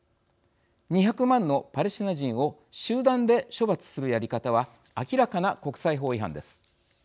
２００万のパレスチナ人を集団で処罰するやり方は明らかな国際法違反です。